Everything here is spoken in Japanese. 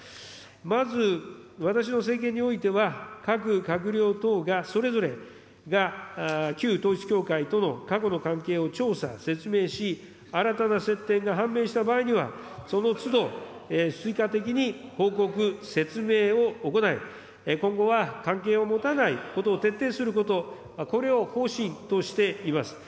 まず、私の政権においては、各閣僚等がそれぞれが、旧統一教会との過去の関係を調査・説明し、新たな接点が判明した場合には、そのつど、追加的に報告、説明を行い、今後は、関係を持たないことを徹底すること、これを方針としています。